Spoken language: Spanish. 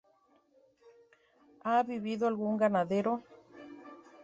Ha vivido algún ganadero.